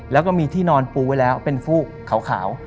แล้วก็มีที่นอนปูไว้แล้วเป็นฟูกขาว